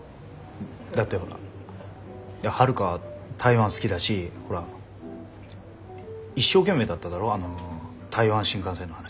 だって春香台湾好きだしほら一生懸命だっただろあの台湾新幹線の話。